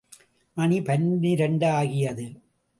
மணி பனிரண்டு ஆகியது.